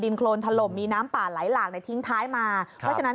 น้ำป่าไหลหลากทิ้งท้ายมา